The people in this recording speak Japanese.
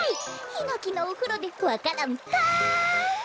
ひのきのおふろでわか蘭ポン！